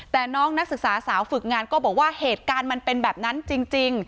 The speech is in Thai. แต่น้องนักศึกษาสาวฝึกงานก็บอกว่าเหตุการณ์มันเป็นแบบนั้นจริง